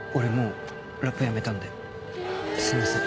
すいません。